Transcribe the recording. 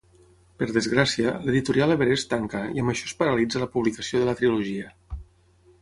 Per desgràcia, l'editorial Everest tanca i amb això es paralitza la publicació de la trilogia.